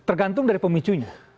tergantung dari pemicunya